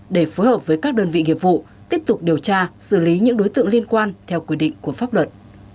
để phối hợp với các đơn vị nghiệp vụ tiếp tục điều tra xử lý những đối tượng liên quan theo quy định của pháp luật